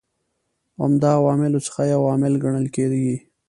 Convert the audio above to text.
عمده عواملو څخه یو عامل کڼل کیږي.